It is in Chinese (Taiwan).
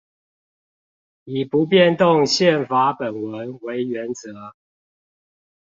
以不變動憲法本文為原則